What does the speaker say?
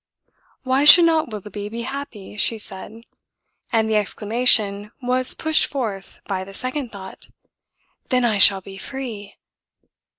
"Why should not Willoughby be happy?" she said; and the exclamation was pushed forth by the second thought: "Then I shall be free!"